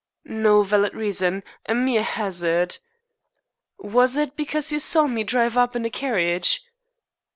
"No valid reason. A mere hazard." "Was it because you saw me drive up in a carriage?"